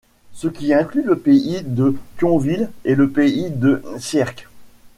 Ce qui inclut le Pays de Thionville et le Pays de Sierck.